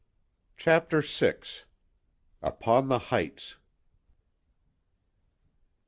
CHAPTER VI UPON THE HEIGHTS.